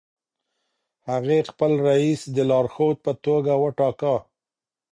هغې خپل رییس د لارښود په توګه وټاکه.